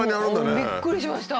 びっくりしました。